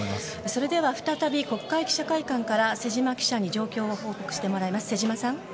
それでは再び国会記者会館から瀬島記者に状況を報告してもらいます。